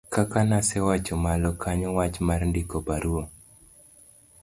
kaka nasewacho malo kanyo wach mar ndiko barua